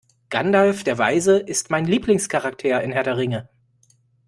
Gandalf der Weise ist mein Lieblingscharakter in Herr der Ringe.